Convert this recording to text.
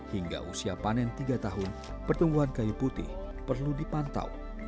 hingga usia panen tiga tahun pertumbuhan kayu putih perlu dipantau